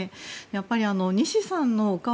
やっぱり西さんのお顔